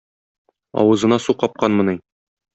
Авызына су капканмыни!